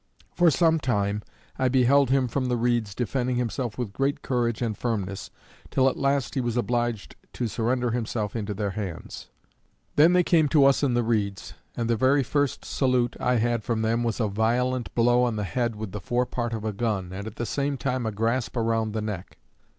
For some time, I beheld him from the reeds defending himself with great courage and firmness, till at last he was obliged to surrender himself into their hands. Then they came to us in the reeds, and the very first salute I had from them was a violent blow on the head with the fore part of a gun, and at the same time a grasp round the neck.